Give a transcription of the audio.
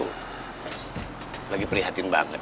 hai lagi prihatin banget